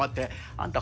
あんた